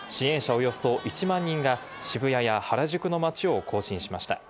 およそ１万人が渋谷や、原宿の街を行進しました。